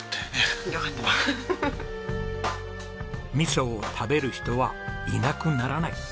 「味噌を食べる人はいなくならない」。